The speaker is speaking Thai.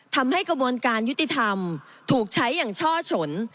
ทำให้กระบวนการยุติธรรมถูกใช้อย่างช่อฉน